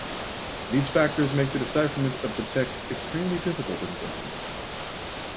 These factors make the decipherment of the text extremely difficult in places.